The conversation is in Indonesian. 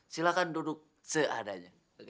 silahkan duduk seadanya